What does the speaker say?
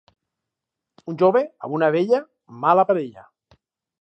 Un jove amb una vella, mala parella.